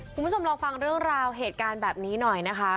คุณผู้ชมลองฟังเรื่องราวเหตุการณ์แบบนี้หน่อยนะคะ